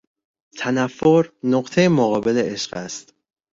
تنفر، نقطهی مقابل عشق است.